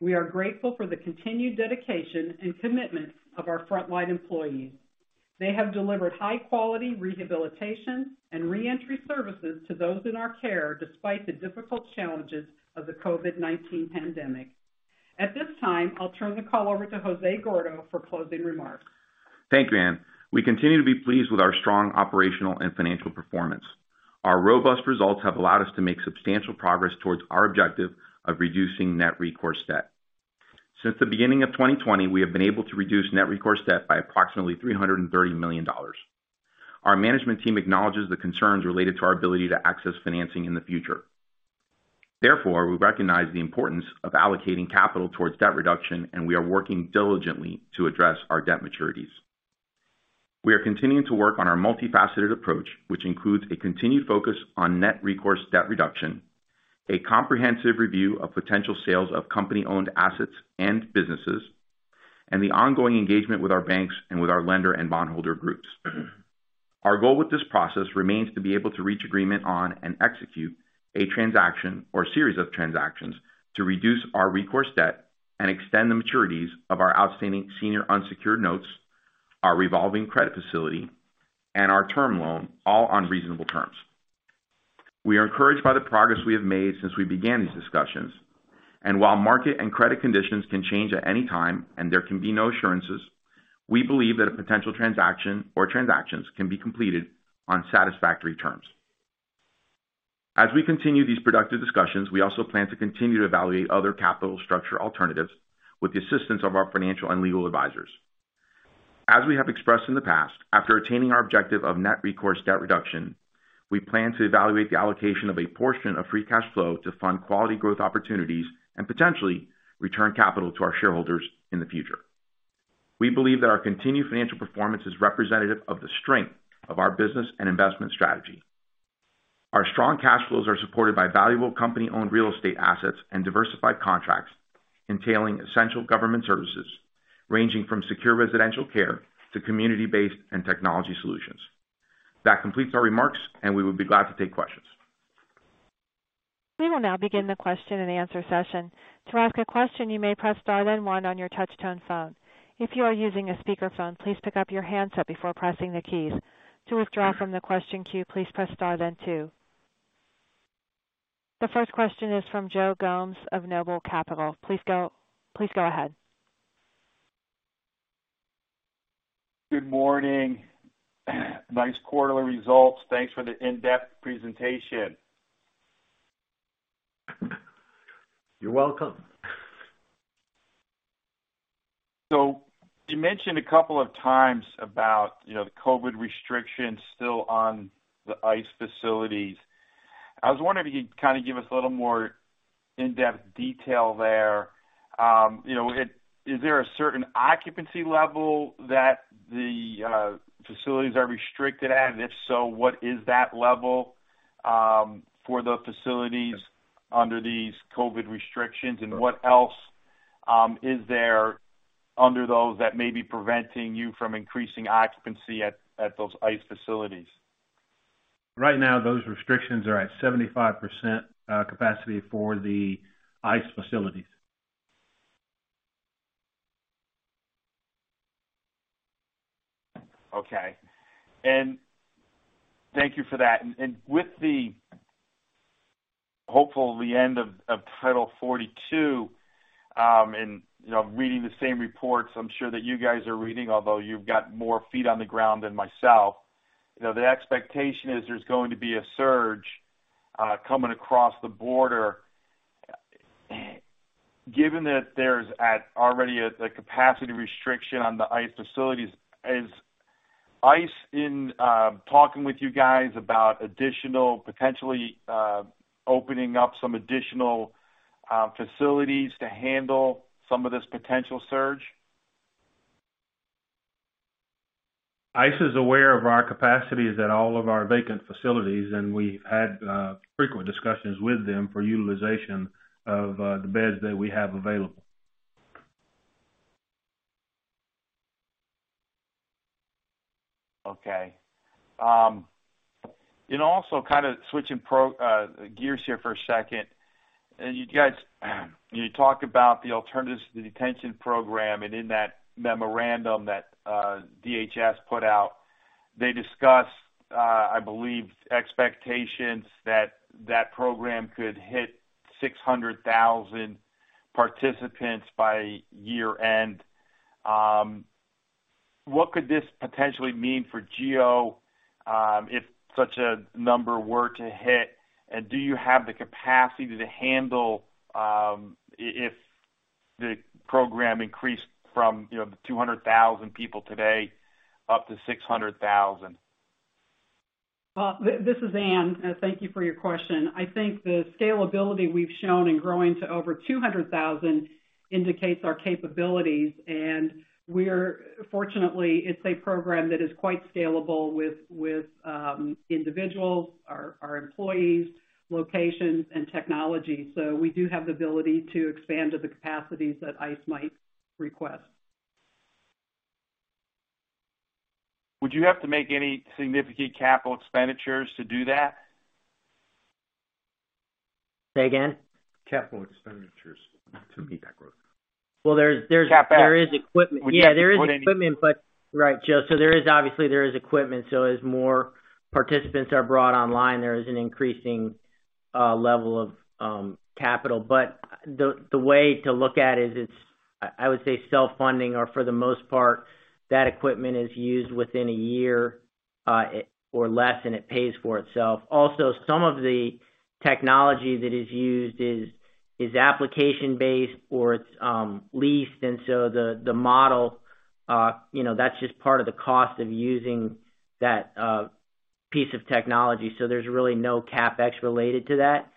We are grateful for the continued dedication and commitment of our frontline employees. They have delivered high-quality rehabilitation and reentry services to those in our care, despite the difficult challenges of the COVID-19 pandemic. At this time, I'll turn the call over to Jose Gordo for closing remarks. Thank you, Ann. We continue to be pleased with our strong operational and financial performance. Our robust results have allowed us to make substantial progress towards our objective of reducing net recourse debt. Since the beginning of 2020, we have been able to reduce net recourse debt by approximately $330 million. Our management team acknowledges the concerns related to our ability to access financing in the future. Therefore, we recognize the importance of allocating capital towards debt reduction, and we are working diligently to address our debt maturities. We are continuing to work on our multifaceted approach, which includes a continued focus on net recourse debt reduction, a comprehensive review of potential sales of company-owned assets and businesses, and the ongoing engagement with our banks and with our lender and bondholder groups. Our goal with this process remains to be able to reach agreement on and execute a transaction or series of transactions to reduce our recourse debt and extend the maturities of our outstanding senior unsecured notes, our revolving credit facility, and our term loan, all on reasonable terms. We are encouraged by the progress we have made since we began these discussions, and while market and credit conditions can change at any time and there can be no assurances, we believe that a potential transaction or transactions can be completed on satisfactory terms. As we continue these productive discussions, we also plan to continue to evaluate other capital structure alternatives with the assistance of our financial and legal advisors. As we have expressed in the past, after attaining our objective of net recourse debt reduction, we plan to evaluate the allocation of a portion of free cash flow to fund quality growth opportunities and potentially return capital to our shareholders in the future. We believe that our continued financial performance is representative of the strength of our business and investment strategy. Our strong cash flows are supported by valuable company-owned real estate assets and diversified contracts entailing essential government services ranging from secure residential care to community-based and technology solutions. That completes our remarks, and we would be glad to take questions. We will now begin the question and answer session. To ask a question, you may press star then one on your touch-tone phone. If you are using a speakerphone, please pick up your handset before pressing the keys. To withdraw from the question queue, please press star then two. The first question is from Joe Gomes of Noble Capital Markets. Please go ahead. Good morning. Nice quarterly results. Thanks for the in-depth presentation. You're welcome. You mentioned a couple of times about, you know, the COVID restrictions still on the ICE facilities. I was wondering if you could kinda give us a little more in-depth detail there. You know, is there a certain occupancy level that the facilities are restricted at? And if so, what is that level for the facilities under these COVID restrictions? And what else is there under those that may be preventing you from increasing occupancy at those ICE facilities? Right now, those restrictions are at 75% capacity for the ICE facilities. Okay. Thank you for that. With the, hopefully, the end of Title 42, you know, reading the same reports I'm sure that you guys are reading, although you've got more feet on the ground than myself, you know, the expectation is there's going to be a surge coming across the border. Given that there's already at the capacity restriction on the ICE facilities, is ICE talking with you guys about additional potentially opening up some additional facilities to handle some of this potential surge? ICE is aware of our capacities at all of our vacant facilities, and we've had frequent discussions with them for utilization of the beds that we have available. Okay. Also kinda switching gears here for a second. You guys, you talk about the Alternatives to Detention Program, and in that memorandum that DHS put out, they discussed, I believe expectations that that program could hit 600,000 participants by year-end. What could this potentially mean for GEO if such a number were to hit? Do you have the capacity to handle if the program increased from, you know, the 200,000 people today up to 600,000? Well, this is Ann Schlarb. Thank you for your question. I think the scalability we've shown in growing to over 200,000 indicates our capabilities, and we're fortunately, it's a program that is quite scalable with individuals, our employees, locations, and technology. We do have the ability to expand to the capacities that ICE might request. Would you have to make any significant capital expenditures to do that? Say again? Capital expenditures to meet that growth. Well, there's. CapEx. There is equipment. Yeah. There is equipment, but. Right, Joe. There is, obviously, equipment. As more participants are brought online, there is an increasing level of capital. The way to look at it is it's, I would say self-funding or for the most part, that equipment is used within a year, it or less, and it pays for itself. Some of the technology that is used is application-based or it's leased. The model, you know, that's just part of the cost of using that piece of technology. There's really no CapEx related to that.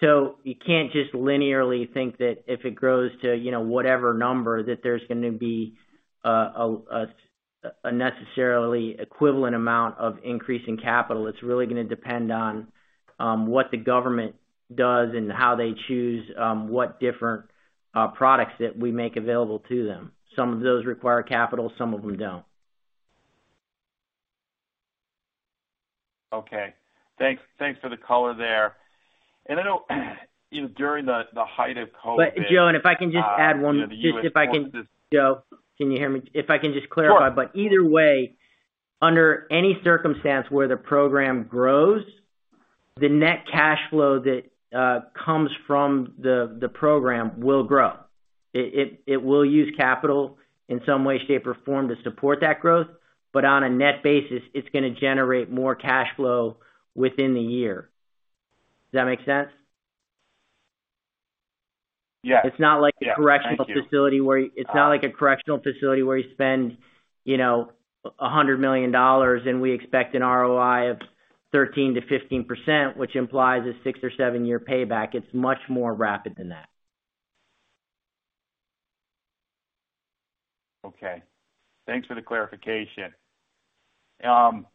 You can't just linearly think that if it grows to, you know, whatever number, that there's gonna be a necessarily equivalent amount of increase in capital. It's really gonna depend on what the government does and how they choose what different products that we make available to them. Some of those require capital, some of them don't. Okay. Thanks for the color there. I know, you know, during the height of COVID-19 Joe, if I can just add one. You know, the U.S. ports. Joe, can you hear me? If I can just clarify. Sure. Either way, under any circumstance where the program grows, the net cash flow that comes from the program will grow. It will use capital in some way, shape, or form to support that growth. On a net basis, it's gonna generate more cash flow within the year. Does that make sense? Yes. Yeah. Thank you. It's not like a correctional facility where you spend, you know, $100 million, and we expect an ROI of 13%-15%, which implies a 6- or 7-year payback. It's much more rapid than that. Okay. Thanks for the clarification. You know,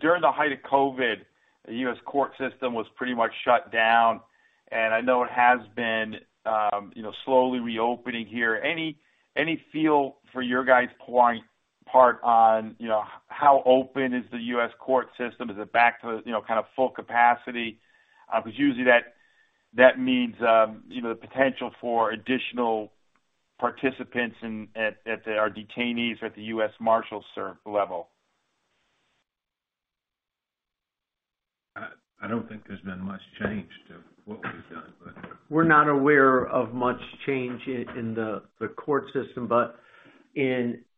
during the height of COVID, the U.S. court system was pretty much shut down, and I know it has been slowly reopening here. Any feel for your guys' part on how open is the U.S. court system? Is it back to you know, kind of full capacity? Because usually that means the potential for additional participants at our detainees at the U.S. Marshals Service level. I don't think there's been much change to what we've done, but. We're not aware of much change in the court system, but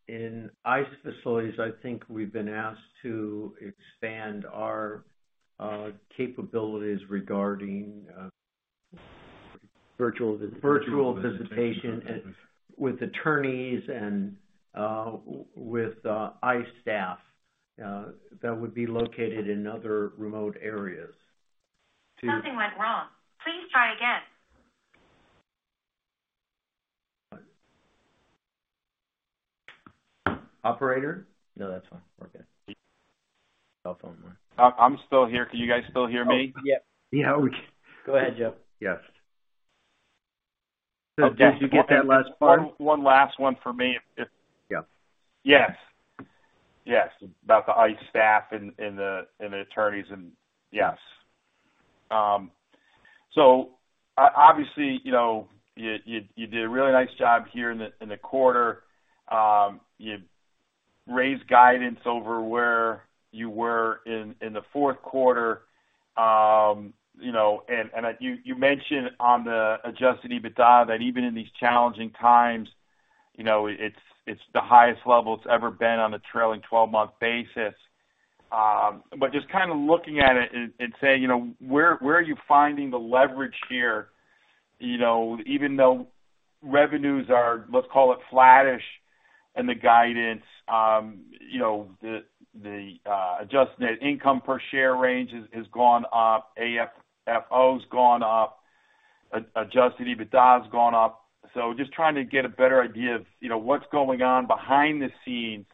in ICE facilities, I think we've been asked to expand our capabilities regarding. Virtual visitation. Virtual visitation and with attorneys and with ICE staff that would be located in other remote areas to Something went wrong. Please try again. Operator? No, that's fine. We're good. Telephone line. I'm still here. Can you guys still hear me? Oh. Yep. Yeah, we can. Go ahead, Joe. Yes. Okay. Did you get that last part? One last one for me. Yeah. Yes. Yes. About the ICE staff and the attorneys and yes. Obviously, you know, you did a really nice job here in the quarter. You raised guidance over where you were in the fourth quarter. You know, you mentioned on the adjusted EBITDA that even in these challenging times, you know, it's the highest level it's ever been on a trailing twelve-month basis. Just kinda looking at it and saying, you know, where are you finding the leverage here? You know, even though revenues are, let's call it, flattish in the guidance, you know, the adjusted net income per share range has gone up, AFFO's gone up, adjusted EBITDA's gone up. Just trying to get a better idea of, you know, what's going on behind the scenes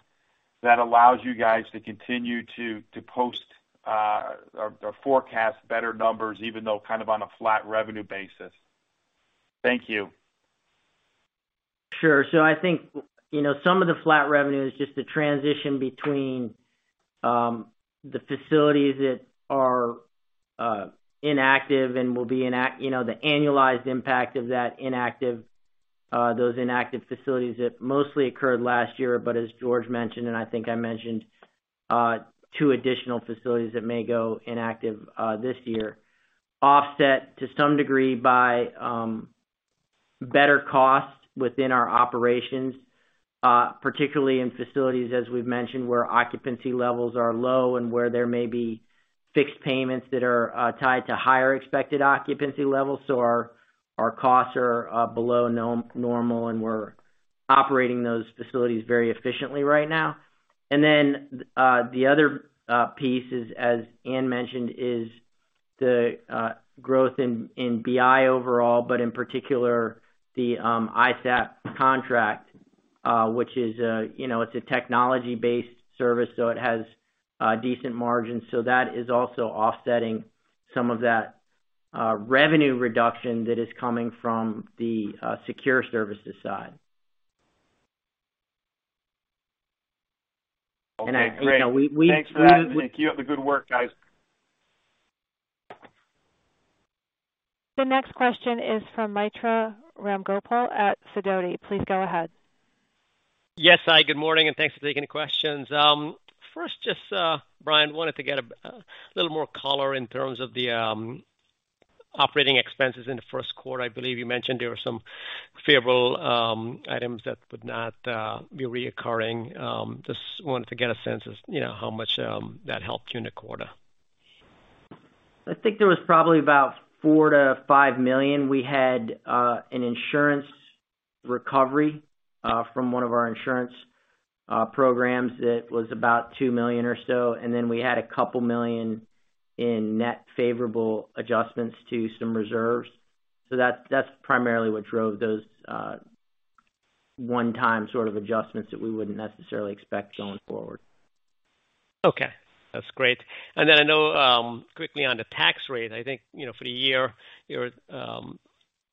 that allows you guys to continue to post or forecast better numbers, even though kind of on a flat revenue basis. Thank you. Sure. I think, you know, some of the flat revenue is just the transition between the facilities that are inactive and the annualized impact of those inactive facilities that mostly occurred last year, but as George mentioned, and I think I mentioned, two additional facilities that may go inactive this year, offset to some degree by better costs within our operations, particularly in facilities, as we've mentioned, where occupancy levels are low and where there may be fixed payments that are tied to higher expected occupancy levels. Our costs are below normal, and we're operating those facilities very efficiently right now. The other piece is, as Ann mentioned, the growth in BI overall, but in particular, the ISAP contract, which is, you know, it's a technology-based service, so it has decent margins. That is also offsetting some of that revenue reduction that is coming from the Secure Services side. Okay. And I, you know, we, we- Great. Thanks for that, and keep up the good work, guys. The next question is from Mitra Ramgopal at Sidoti. Please go ahead. Yes. Hi, good morning, and thanks for taking the questions. First, just, Brian, wanted to get a little more color in terms of the operating expenses in the first quarter. I believe you mentioned there were some favorable items that would not be recurring. Just wanted to get a sense of, you know, how much that helped you in the quarter. I think there was probably about $4 million-$5 million. We had an insurance recovery from one of our insurance programs that was about $2 million or so. We had $2 million in net favorable adjustments to some reserves. That, that's primarily what drove those one-time sort of adjustments that we wouldn't necessarily expect going forward. Okay, that's great. I know quickly on the tax rate, I think, you know, for the year, you're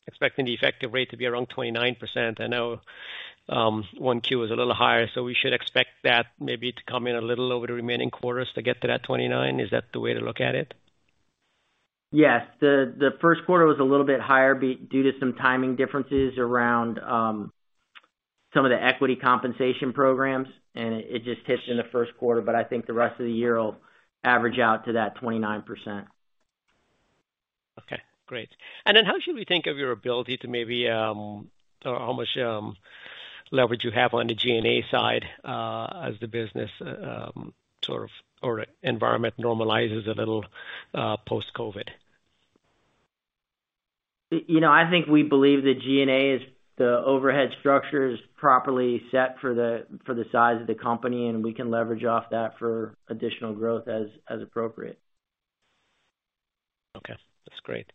expecting the effective rate to be around 29%. I know 1Q was a little higher, so we should expect that maybe to come in a little over the remaining quarters to get to that 29. Is that the way to look at it? Yes. The first quarter was a little bit higher due to some timing differences around some of the equity compensation programs, and it just hits in the first quarter, but I think the rest of the year will average out to that 29%. Okay, great. How should we think of your ability or how much leverage you have on the G&A side, as the business or environment normalizes a little, post-COVID? You know, I think we believe the G&A is the overhead structure is properly set for the size of the company, and we can leverage off that for additional growth as appropriate. Okay, that's great.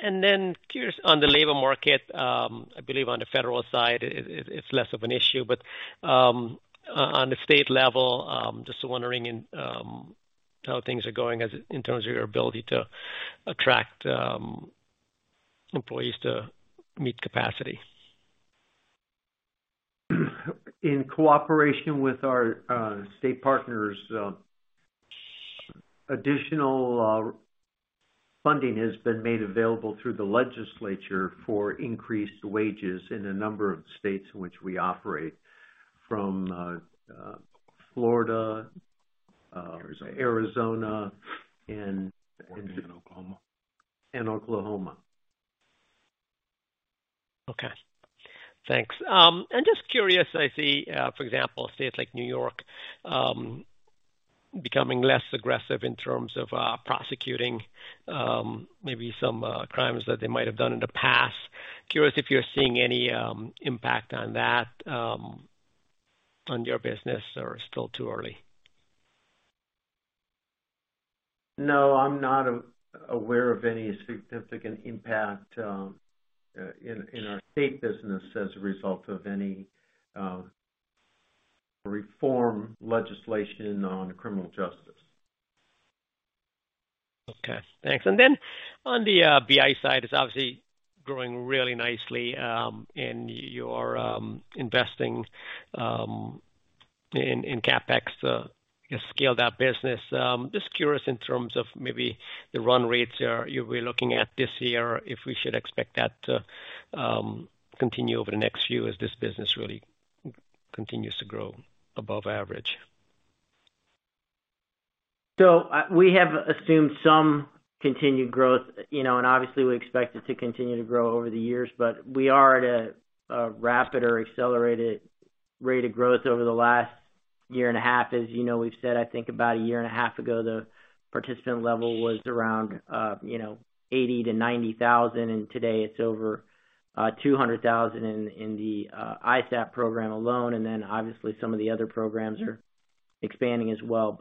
Curious on the labor market, I believe on the federal side it's less of an issue, but on the state level, just wondering how things are going in terms of your ability to attract employees to meet capacity. In cooperation with our state partners, additional funding has been made available through the legislature for increased wages in a number of states in which we operate from Florida. Arizona. Arizona. Oregon and Oklahoma. Oklahoma. Okay. Thanks. Just curious, I see, for example, states like New York becoming less aggressive in terms of prosecuting maybe some crimes that they might have done in the past. Curious if you're seeing any impact on that on your business or still too early? No, I'm not aware of any significant impact in our state business as a result of any reform legislation on criminal justice. Okay, thanks. Then on the BI side, it's obviously growing really nicely, and you're investing in CapEx to scale that business. Just curious in terms of maybe the run rates you'll be looking at this year, if we should expect that to continue over the next few as this business really continues to grow above average. We have assumed some continued growth, you know, and obviously we expect it to continue to grow over the years, but we are at a rapid or accelerated rate of growth over the last year and a half. As you know, we've said, I think about a year and a half ago, the participant level was around, you know, 80,000-90,000, and today it's over 200,000 in the ISAP program alone. Then obviously some of the other programs are expanding as well.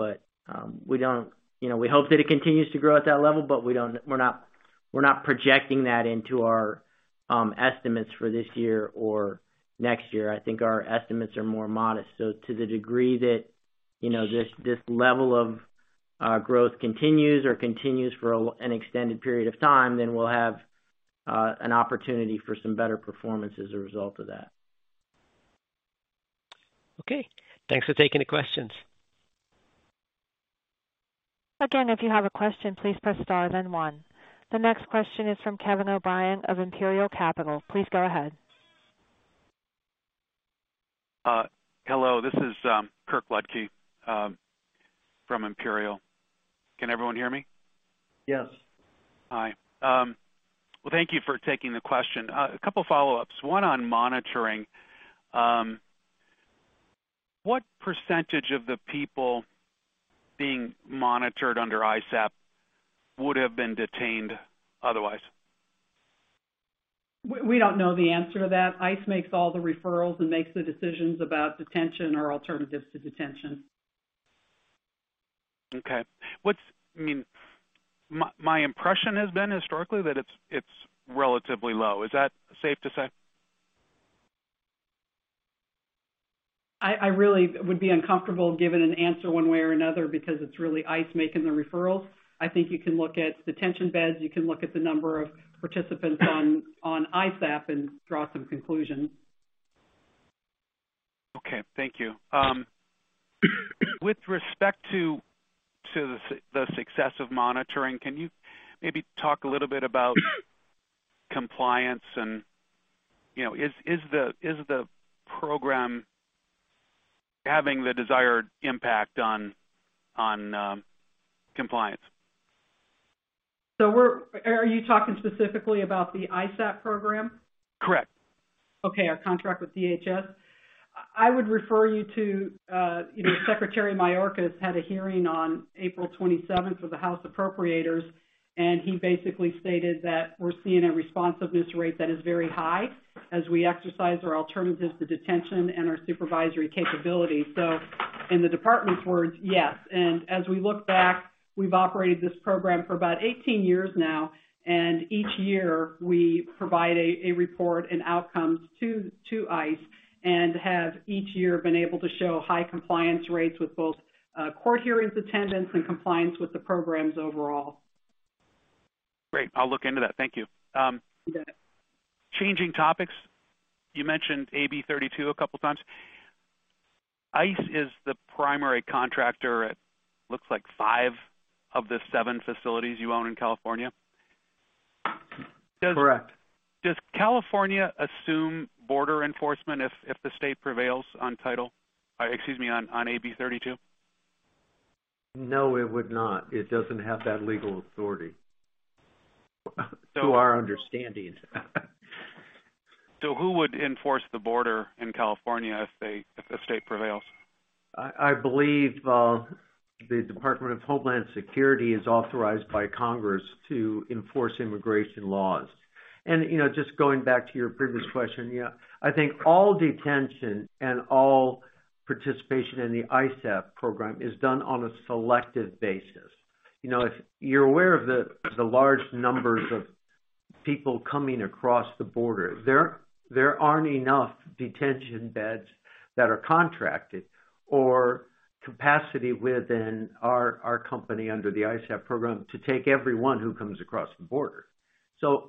We don't. You know, we hope that it continues to grow at that level, but we don't. We're not projecting that into our estimates for this year or next year. I think our estimates are more modest. To the degree that, you know, this level of growth continues for an extended period of time, then we'll have an opportunity for some better performance as a result of that. Okay. Thanks for taking the questions. Again, if you have a question, please press Star then one. The next question is from Kirk Ludtke of Imperial Capital. Please go ahead. Hello, this is Kirk Ludtke from Imperial Capital. Can everyone hear me? Yes. Hi. Well, thank you for taking the question. A couple follow-ups. One on monitoring. What percentage of the people being monitored under ISAP would have been detained otherwise? We don't know the answer to that. ICE makes all the referrals and makes the decisions about detention or Alternatives to Detention. Okay. I mean, my impression has been historically that it's relatively low. Is that safe to say? I really would be uncomfortable giving an answer one way or another because it's really ICE making the referrals. I think you can look at detention beds, you can look at the number of participants on ISAP and draw some conclusions. Okay. Thank you. With respect to the success of monitoring, can you maybe talk a little bit about compliance and, you know, is the program having the desired impact on compliance? Are you talking specifically about the ISAP program? Correct. Okay. Our contract with DHS. I would refer you to, you know, Secretary Mayorkas had a hearing on April 27th with the House Appropriators, and he basically stated that we're seeing a responsiveness rate that is very high as we exercise our Alternatives to Detention and our supervisory capabilities. In the department's words, yes. As we look back, we've operated this program for about 18 years now, and each year we provide a report and outcomes to ICE, and have each year been able to show high compliance rates with both court hearings, attendance, and compliance with the programs overall. Great. I'll look into that. Thank you. You bet. Changing topics, you mentioned AB-32 a couple times. ICE is the primary contractor at, looks like, five of the seven facilities you own in California. Correct. Does California assume border enforcement if the state prevails on AB-32? No, it would not. It doesn't have that legal authority, to our understanding. Who would enforce the border in California if the state prevails? I believe the U.S. Department of Homeland Security is authorized by Congress to enforce immigration laws. You know, just going back to your previous question, yeah, I think all detention and all participation in the ISAP program is done on a selective basis. You know, if you're aware of the large numbers of people coming across the border, there aren't enough detention beds that are contracted or capacity within our company under the ISAP program to take everyone who comes across the border.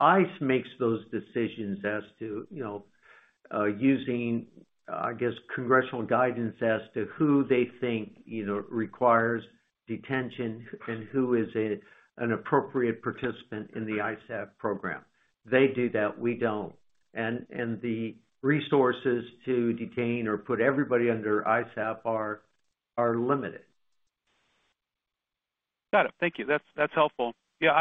ICE makes those decisions as to, you know, using, I guess, congressional guidance as to who they think, you know, requires detention and who is an appropriate participant in the ISAP program. They do that; we don't. The resources to detain or put everybody under ISAP are limited. Got it. Thank you. That's helpful. Yeah,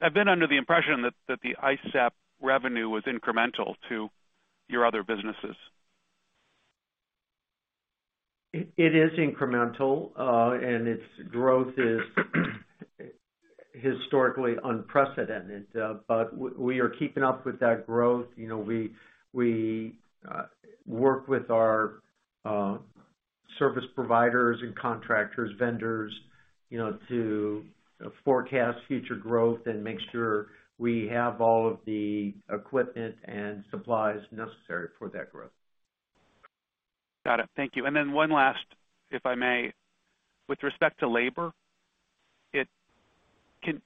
I've been under the impression that the ISAP revenue was incremental to your other businesses. It is incremental, and its growth is historically unprecedented. We are keeping up with that growth. You know, we work with our service providers and contractors, vendors, you know, to forecast future growth and make sure we have all of the equipment and supplies necessary for that growth. Got it. Thank you. One last, if I may. With respect to labor,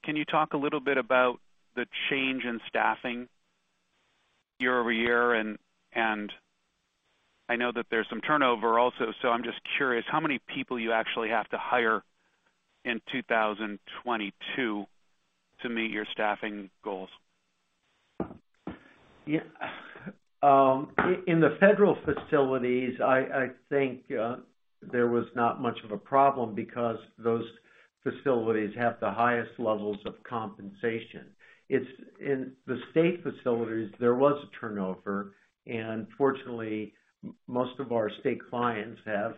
can you talk a little bit about the change in staffing year-over-year? I know that there's some turnover also, so I'm just curious how many people you actually have to hire in 2022 to meet your staffing goals? Yeah. In the federal facilities, I think there was not much of a problem because those facilities have the highest levels of compensation. It's in the state facilities. There was a turnover. Fortunately, most of our state clients have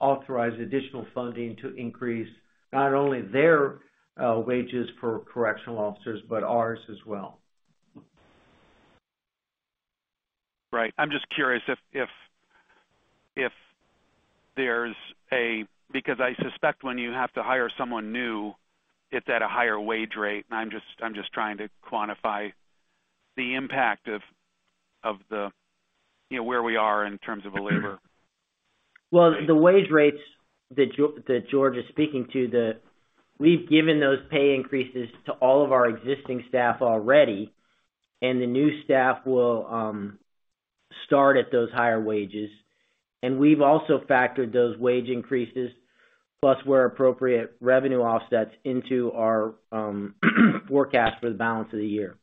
authorized additional funding to increase not only their wages for correctional officers, but ours as well. Right. I'm just curious if there's, because I suspect when you have to hire someone new, it's at a higher wage rate, and I'm just trying to quantify the impact of the, you know, where we are in terms of the labor. Well, the wage rates that George is speaking to. We've given those pay increases to all of our existing staff already, and the new staff will start at those higher wages. We've also factored those wage increases, plus where appropriate, revenue offsets into our forecast for the balance of the year.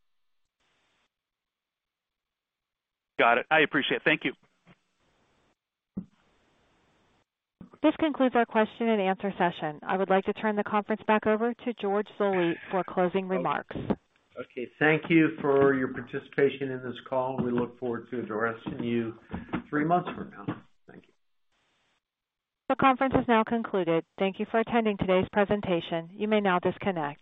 Got it. I appreciate it. Thank you. This concludes our question and answer session. I would like to turn the conference back over to George Zoley for closing remarks. Okay. Thank you for your participation in this call. We look forward to addressing you three months from now. Thank you. The conference is now concluded. Thank you for attending today's presentation. You may now disconnect.